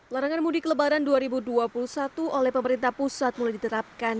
larangan mudik lebaran dua ribu dua puluh satu oleh pemerintah pusat mulai diterapkan